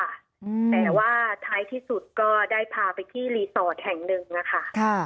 แต่ว่าท้ายที่สุดก็ได้พาไปที่รีสอร์ทแห่งหนึ่งนะคะค่ะ